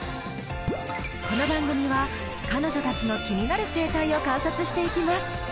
この番組は彼女たちの気になる生態を観察していきます。